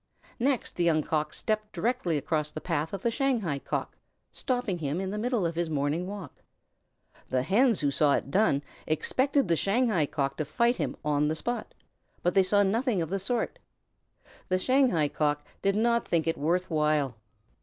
Next the Young Cock stepped directly across the path of the Shanghai Cock, stopping him in his morning walk. The Hens who saw it done expected the Shanghai Cock to fight him on the spot, but they saw nothing of the sort. The Shanghai Cock did not think it worth while.